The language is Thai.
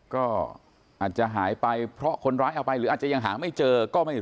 ก็อาจจะหายไปเพราะคนร้ายเอาไปหรืออาจจะยังหาไม่เจอก็ไม่รู้